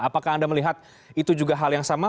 apakah anda melihat itu juga hal yang sama